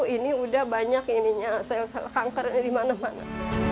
ini udah banyak sel sel kanker di mana mana